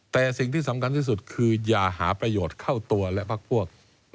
แต่สิ่งที่สำคัญที่สุดคืออย่าหาประโยชน์เข้าตัวและพักพวก